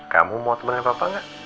kamu mau temenin papa gak